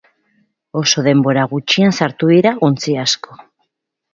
Oso denbora gutxian sartu dira ontzi asko.